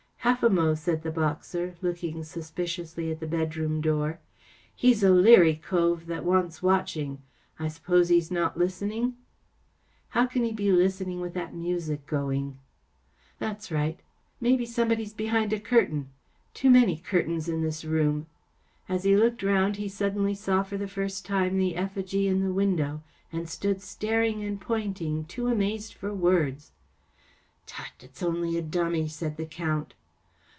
" Half a mo'," said the boxer, looking sus¬ piciously at the bedroom door “ He's a leary cove that wants watching. I suppose he's not listening ?"" How can he be listening with that music going ? ‚ÄĚ “ That's right. Maybe somebody’s behind a curtain. Too many curtains in this room.’* As he looked round he suddenly saw for the first time the effigy in the window, and stood staring and pointing, too amazed for words. “ Tut I it’s only a dummy,‚ÄĚ said the Count.